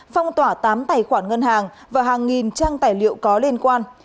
phong tỏa tám tài khoản ngân hàng và hàng nghìn trang tài liệu có liên quan